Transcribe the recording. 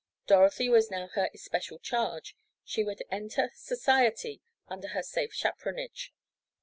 Dorothy was now her especial charge; she would enter society under her safe chaperonage.